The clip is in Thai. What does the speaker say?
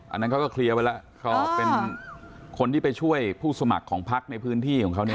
อันนั้นเขาก็เคลียร์ไปแล้วเขาเป็นคนที่ไปช่วยผู้สมัครของพักในพื้นที่ของเขาเนี่ย